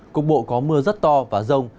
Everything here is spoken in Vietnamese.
cục bộ có mưa rất to và rông